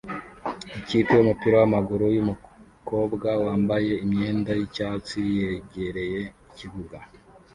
Ikipe yumupira wamaguru yumukobwa wambaye imyenda yicyatsi yegereye ikibuga